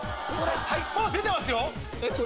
もう出てますよ。